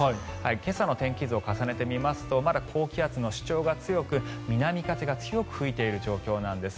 今朝の天気図を重ねてみますとまだ高気圧の主張が強く南風が強く吹いている状況なんです。